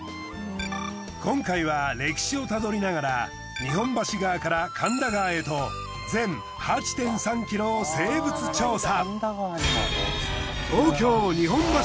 今回は歴史をたどりながら日本橋川から神田川へと全８．３ｋｍを生物調査。